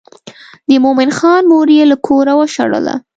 د مومن خان مور یې له کوره وشړله.